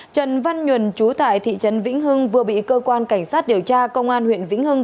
trần văn nhuần chú tại thị trấn vĩnh hưng vừa bị cơ quan cảnh sát điều tra công an huyện vĩnh hưng